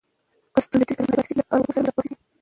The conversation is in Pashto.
که ستونزه پاتې شي، له ارواپوه سره مشوره وشي.